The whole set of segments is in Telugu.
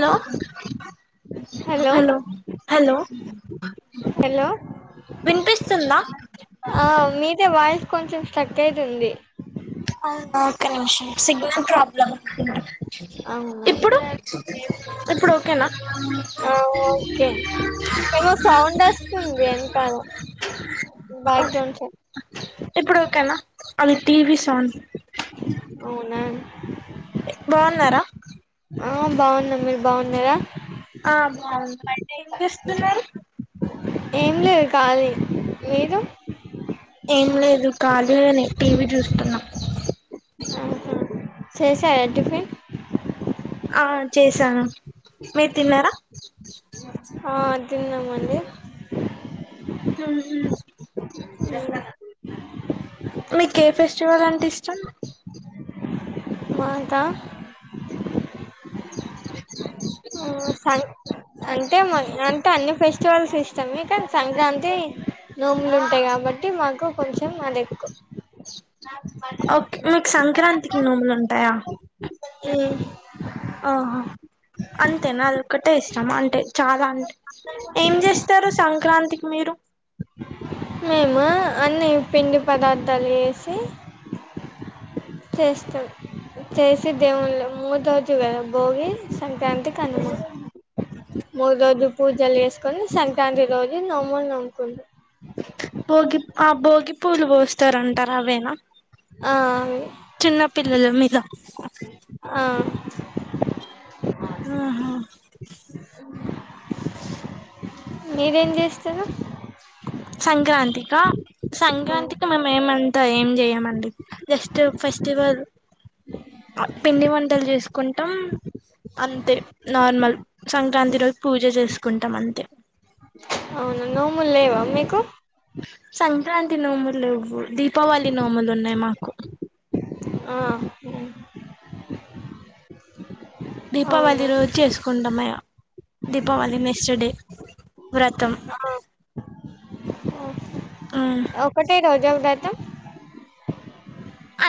హలో హలో హలో హలో వినిపిస్తుందా ఆ మీదే వాయిస్ కొంచెం కట్ అయితుంది అవునా ఒక్క సిగ్నల్ ప్రాబ్లమ్ అవునా ఇప్పుడు ఇప్పుడు ఓకేనా ఆ ఓకే ఏమో సౌండ్ వస్తుంది వెనకాల బ్యాక్గ్రౌండ్ సౌండ్ ఇప్పుడు ఒకకనా అది టీ వి సన్ అవునా బాగున్నారా బాగున్నా మీరు బాగున్నారా ఆ బాగుంది ఏం చేస్తున్నారు ఏం లేదు కా లి మీరు ఏం లేదు కాళీ అని టీవీ చూస్తున్నా ఆహా చేసారా టిఫన్ ఆ చేసాను మీరు తిన్నారా తిన్నమండి హ మీకు ఏ ఫెస్టివల్ అంటే ఇష్టం మా కా సం అంటే మాకు అంటే అన్ని ఫెస్టివల్స్ ఇస్టము కానీ సంక్రాంతి నోములు ఉంటాయి కాబట్టి మాకు కొంచెం అది ఎక్కువ ఓకే మీకు సంక్రాంతికి నూములు ఉంటాయా ఉ ఆహా అంతే నాద ఒకటే ఇష్టం అంటే చాలా అంటే ఏం చేస్తుర్రు సంక్రాంతికి మీరు మేము అన్ని పిండి పదార్థాలు చేసి చేస్తాం చేసి దేవులు మూడు రోజుగా భోగి సంక్రాంతి కనుమా మూడు రోజు పూజలు చేసుకొని సంక్రాంతి రోజు నోములు నొముకుంటాం భోగి ఆ భోగి పూలు పోస్తారంటార అవేనా ఆ, అవి. చిన్నపిల్లలు మీద ఆ, ఆహా మీరేం చేస్తారు సంక్రాంతిక ఆ, సంక్రాంతికి మేమ ఏమ ఏం చేయమండి జస్ట్ ఫెస్టివల్ పిండి వంటలు చేసుకుంటాం అంతే నార్మల్ సంక్రాంతి రోజు పూజ చేసుకుంటాం అంతే అవునా నోములు లేవా మీకు సంక్రాంతి నోములువవు దీపావళి నోములు ఉన్నాయి మాకు ఆ అవును దీపావళి రోజు చేసుకుంటా మే దీపావళి మెస్టర్ డే వ్రతం ఆ, ఆ. ఉమ్ ఒకటే రోజా వ్రతం అ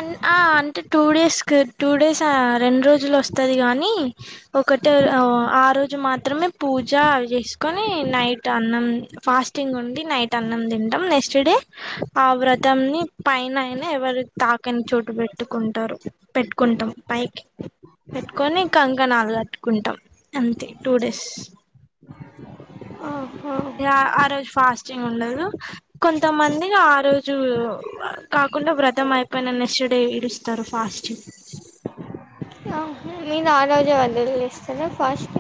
అంటే టూ డేస్ క టూ డేస్ రెండు రోజులు వస్తది గానీ ఒకటే ఆ రోజు మాత్రమే పూజ చేసుకొని నైట్ అన్నం ఫాస్టింగ్ ఉండి నైట్ అన్నం తింటాం నెక్స్ట్ డే ఆ వ్రతాన్ని పైన అయినా ఎవరి పక్కని చోటు పెట్టుకుంటారు పెట్టుకుంటాం పైకి పెట్టుకొని ఇంకా కంకాణలు గట్టు కుంటాం అంతే టూ డేస్ ఆహా. ఆ రోజు ఫాస్టింగ్ ఉండదు కొంతమంది ఆ రోజు కాకుండా వ్రతం అయిపోయిన నెక్స్ట్ డే ఇడుస్తారు ఫాస్ట్ మీరు ఆ రోజే వదిలేస్తారా ఫస్ట్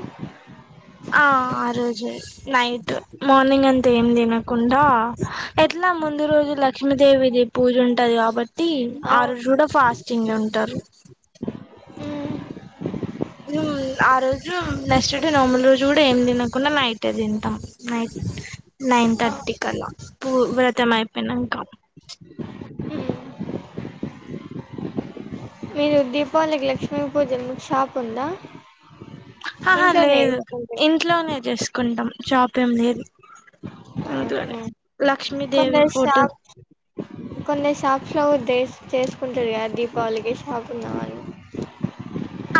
ఆ ఆ రోజు నైట్ మార్నింగ్ అంతా ఏం తినకుండా ఎ ఇలా ముందు రోజు లక్ష్మీదేవిది పూజ ఉంటుది కాబట్టి ఆ రోజు కూడా ఫాస్టింగ్ ఉంటారు ఉ ఆ రోజు నెక్స్ట్ డే నార్మల్ రోజు కూడా ఏం తినకుండా నైటే తింటాం, నైట్ నైన్ ఆ, థర్టీ థర్టీ కల్లా పూ వ్రతమయపోయినంకా మ్మ్. మీరు దీపావళికి లక్ష్మీ పూజన్ షాప్ ఉందా ఆహా ఇంట్లోనే లేదు, చేసుకుంటారు ఇంట్లోనే చేసుకుంటాం షాప్ ఏం లేదు ఇంట్లోనే మ్మ్ లక్ష్మీదేవి కొందరు ఫోటో షాప్, కొందరు షాప్ లో ఉద్దే చేసుకుంటారు ఇగ దీపావళికి షాపున్న వాలు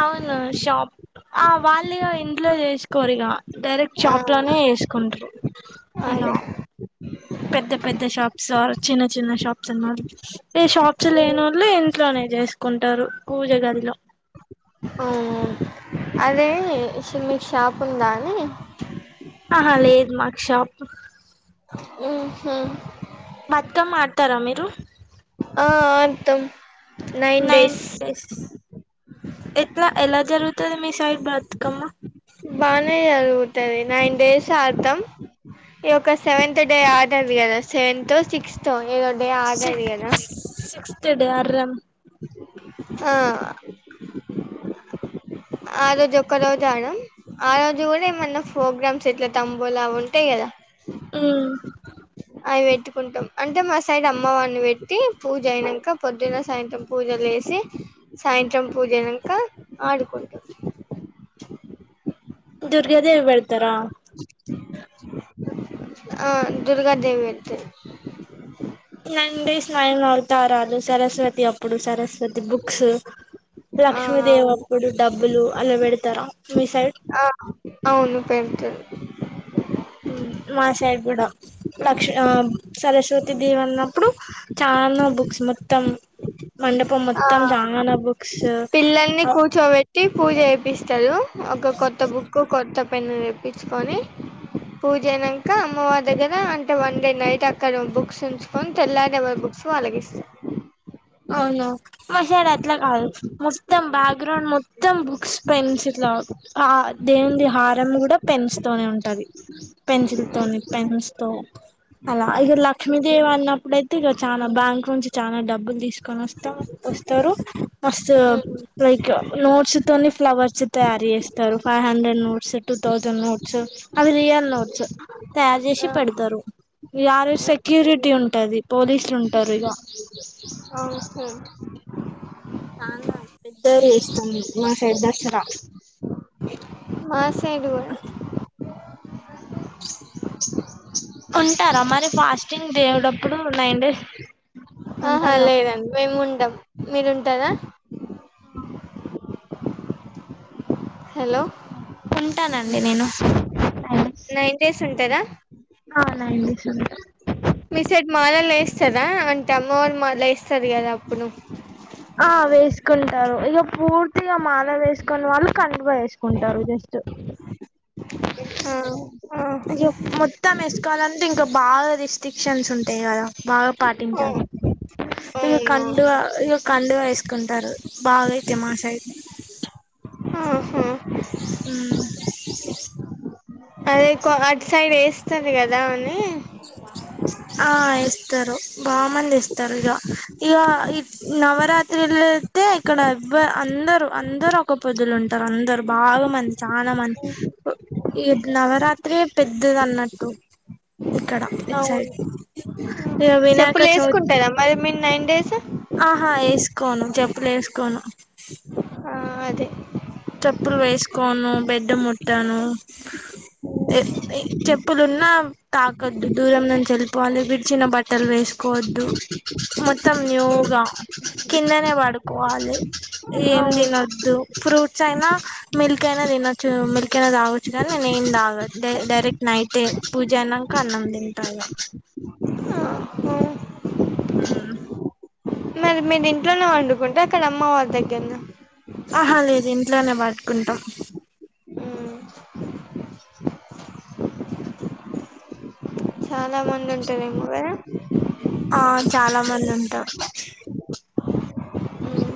అవును షాప్ ఆ వాళ్ళీగా ఇంట్లో చేసుకోరు ఇగ డైరెక్ట్ ఆ షాప్ లోనే చెస్ కుంటరు అదే పెద్ద పెద్ద షాప్స్ ఓర్ చిన్న చిన్న షాప్స్ ఉన్న వాళ్ళు ఏ షాప్స్ లేనోళ్ళు ఇంట్లోనే చేసుకుంటారు పూజ గదిలో ఆ అదే ఇషి మీకు షాప్ ఉందా అని ఆహా లేదు మాక్ షాప్ మ్మ్హ్హ్ త్కమ్ ఆడతారా మీరు ఆ ఆడ్తం, నైన్ డేస్ ఎట్లా ఎలా జరుగుతది మీ సైడ్ బతుకమ్మా బానే జరుగుతది నైన్ డేస్ ఆడ్తం ఈ ఒక సెవెంత్ డే ఆడరీ కదా, సెవెంతో సిక్సతో ఏదో డే ఆగది గదా త్ డే అర్రం ఆ ఆ రోజు ఒక్క రోజు ఆడం, ఆ రోజు కూడా ఏమన్నా ప్రోగ్రామ్స్ ఎట్లా తంబూలా అవి ఉంటాయి కదా మ్మ్ అవి పెట్టుకుంటం, అంటే మా సైడ్ అమ్మవారిని పెట్టి పూజ అయినాక పొద్దున సాయంత్రం పూజలు చేసి ట్టి సాయంత్రం పూజాయినంక ఆడుకుంటం దుర్గ దేవి పెడ్తరా ఆ దుర్గాదేవి పెడ్తరు నైన్ డేస్ నైన్ అవుతారాలు, సరస్వతి అప్పుడు సరస్వతి బుక్స్ ఆ లక్ష్మీదేవి అవును అప్పుడు డబ్బులు అలా పెడతారా మీ సైడ్ ఆ అవును పెడ్తరు మ్మ్ మా సైడ్ కూడా లక్ష్ ఆ సరస్వతి దేవ్ అన్నప్పుడు చాలా బుక్స్ మొత్తం ఇప్పు ఆ మొత్తం రాంగానే బుక్స్ పిల్లల్ని కూర్చోబెట్టి పూజ జేపిస్తరు, ఒక కొత్త బుక్ కొత్త పెన్ను తే పిచ్చుకొని పూజాయినంక అమ్మవారి దగ్గర అంటే వన్ డే నైట్ అక్కడ బుక్స్ ఉంచుకొని తెల్లడేవరు బుక్ వాళ్లకిస్తరు అవునా మసైడ్ అట్ల కాదు మొత్తం బ్యాక్గ్రౌండ్ మొత్తం బుక్స్ పెన్సిల్ దౌ కాద్ దేవుంది హారం కూడా పెన్స్ తోనే ఉంటది పెన్సిల్ తోని పెన్స్ తో అలా ఇగ లక్ష్మీదేవి అన్నప్పుడు అయితే ఇగ చానా బ్యాంక్ నుంచి చానా డబ్బులు తీసు [unintelligible] వస్తరు మస్త్ లైక్ నోట్స్ తోని ఫ్లవర్స్ తయారు చేస్తారు five hundred notes two thousand notes అవి రియల్ నోట్స్ తయారు చేసి పెడతారు, ఇగ ఆ రోజు సెక్యూరిటీ ఉం టది పోలీసులు ఉంటరు ఇగ [unintelligible] చాలా పెద్దగా చేస్తాం మా సైడ్ దసరా ఇట్ సైడ్ కూడా ఉంటారా మరి ఫాస్టింగ్ దేవుడప్పుడు నైన్ డేస్ ఆహా ఉంటారు లోపు లేదండి మేము ఉండం మీరుంటారా హలో ఉంటానండి నేను నైన్ డేస్ ఉంటరా అ నైన్ డేస్ ఉంటా ఎస్తారా అంటే అమ్మవారి మాల ఏస్తారు కదా అప్పుడు ఆ వేసుకుంటారు ఇగ పూర్తి పూర్తిగా మాల వేసుకొని వాళ్ళు కండువా ఏసుకుంటరు జస్ట్ ఆ ఆ ఇగ మొత్తం ఏసుకాలంటే ఇంకా బాగా రిస్ట్రిక్క్షన్స్ ఉంటయి కదా బాగా పాటించాలి ఇగ అవును కండువ ఇగ కండువ ఏసు కుంటారు బాగైతే మా సైడు హు ఉమ్ ఉమ్ అదే ఎక్కువ అటు సైడ్ ఏస్తది కదా అని ఆ ఎస్తారు బామంది ఎస్తారు ఇగ ఇగా ఈ నవరాత్రుల్లో అయితే ఇక్కడ బ అందరు అందరు ఒక పొద్దులు ఉంటారు అందరు బాగా మంది చానా మంది ఈ నవరాత్రే పెద్దది అన్నట్టు ఇక్కడ ఇట్ సైడు అవును చెప్పులు చవితి ఏసుకుంటారా మరి మీరు నైన్ డేస్ ఆహా ఏసుకోను చెప్పులు ఏసుకోను ఆ అదే కోను బెడ్డు ముట్టను ఎ ఎ చెప్పులున్నా తాకద్దు దూరం నుంచి వెళ్ళిపోవాలి విడిచిన బట్టలు వేసు కొవద్దు మొత్తం న్యూగా కిందనే పడుకోవాలి ఏం అవును తినొద్దు ఫ్రూట్ ఫ్రూట్సైనా మిల్క్ అయినా తినొచ్చు మిల్క్ అయినా తాగవచ్చు కానీ నేను ఏం తాగ డైరెక్ట్ నైటే పూజ అయినంక అన్నం తింటా ఇగ ఆహా. ఉమ్ మరి మీరు ఇంట్లోనే వండుకుంటరా అక్కడ అమ్మవారి దగ్గరనా ఆహా లేదు ఇంట్లోనే వాటుకుంటా మ్మ్. చాలా మంది ఉంటారేమో కదా ఆ చాలా మంది ఉంటారు మ్మ్.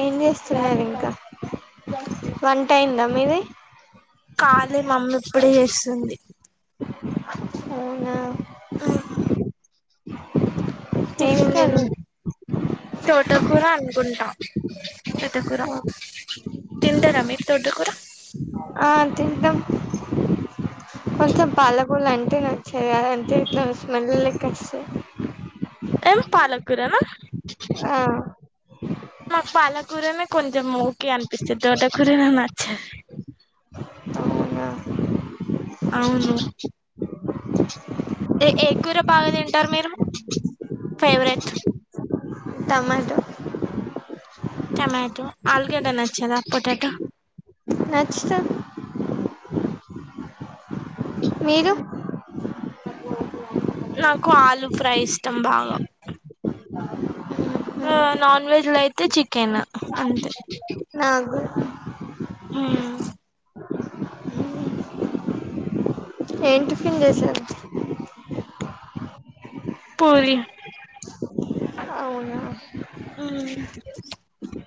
ఏం చేస్తున్నారు ఇంకా వంట అయిందా మీది కాలే మమ్మీ ఇప్పుడే చేస్తుంది అవునా ఉమ్ ఏం టిఫిన్ తిన్ కర్రీ తోటకూర అనుకుంటా తింటార మీరు తోటకూర ఆ తింటం కొంచెం పాలకూర అం టే నచ్చదు అదంత ఎట్లానో స్మెల్ లెక్క వస్తది ఏం పాలకూరనా ఆ మాకు పాలకూరనే కొంచెం ఓకే అనిపిస్తది తోటకూరనే నచ్చది. అవునా అవును ఏ ఏ కూర బాగా తింటారు మీరు ఫేవరెట్ టమాటో ఆలుగడ్డ నచ్చదా పొటాటో నచ్చు తది మీరు నాకు ఆలు ఫ్రై ఇష్టం బాగా ఆమ్ నాన్ వెజ్ లో అయితే చికెన్ అంతే నాకు కూడా. హమ్ ఏం టిఫిన్ చేశారు పూరి అవునా ఆమ్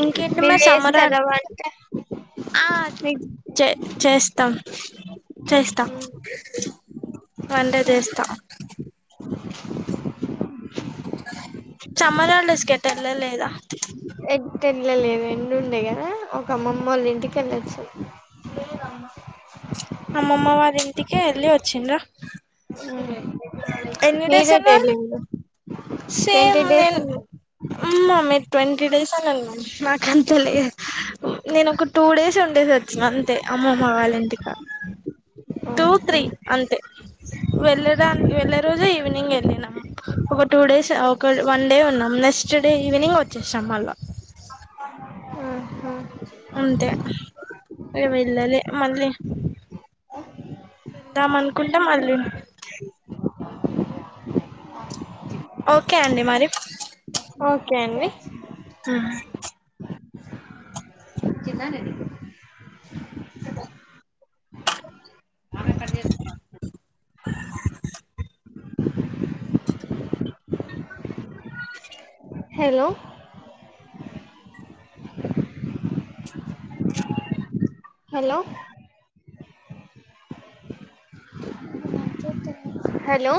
ఇంకేంటి మీరు మరి సమ్మర్ చేస్తారా వంట ఆ మీకు చేస్తాం వంట చేస్తా సమ్మర్ హాలిడేస్ కి ఏటు వెళ్ళలేదా ఎట్టు వేళ్ళ లేదు ఎండ ఉండే కదా ఒక అమ్మమ్మ వాళ్ళ ఇంటిక వెళ్ళొచా అమ్మమ్మ వాళ్ళ ఇంటికి వెళ్ళి వచ్చిండార ఎన్ని డేస్ మీరేటు ఉన్నారు వెళ్ళిండ్రు ట్వంటీ సేమ్ డేస్ నేను ఉన్నా ఉమ్ మమ్మి ట్వ తీ డేస్ అన్నాను మ్యాక్ నాకు అంతలే నేను ఒక టూ డేస్ ఉండే సి వచ్చినా అంతే అమ్మ మా వాళ్ళ ఇంటికా టూ త్రీ అంతే వెళ్ళేదాని వెళ్ళే రోజే ఈవినింగ్ వెళ్ళిన వ టూ డేస్ ఒక వన్ డే ఉన్నాం నెక్స్ట్ డే ఈవినింగ్ వచ్చేసాం మళ్ళా ఆహా అంతే ఇక వెళ్ళలే మళ్ళీ వెళ్దాం అనుకుంటే మళ్ళీ ఓకే అండి మరి ఓకే అండి ఆహా ఇచ్చిన్న నేను నీకు అ [inaudible] హెలో హలో హలో